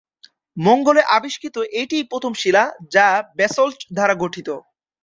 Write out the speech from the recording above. মঙ্গলে আবিষ্কৃত এটিই প্রথম শিলা যা ব্যাসল্ট দ্বারা গঠিত।